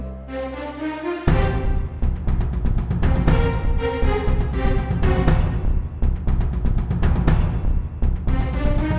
tangan tangan kamu putih banget